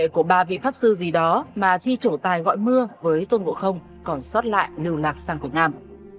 các hậu ruệ của ba vị pháp sư gì đó mà thi chỗ tài gọi mưa với tôn ngộ không còn xót lại lưu lạc sang của nam